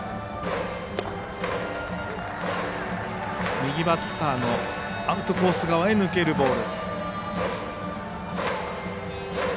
右バッターのアウトコース側へ抜けるボール。